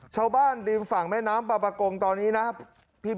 ชาวบ้านริมฝั่งแม่น้ำบาปกงตอนนี้นะครับ